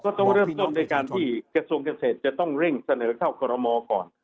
ต้องเริ่มต้นในการที่กระทรวงเกษตรจะต้องเร่งเสนอเข้ากรมอก่อน